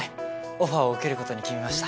オファーを受けることに決めました。